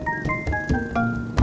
pantai kaun deh